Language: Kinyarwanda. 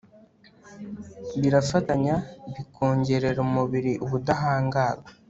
birafatanya bikongerera umubiri ubudahangarwa